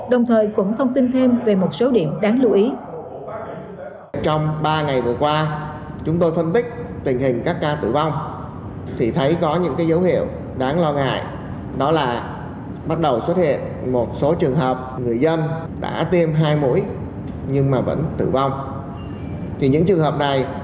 đồng thời cũng thông tin thêm về một số điểm đáng lưu ý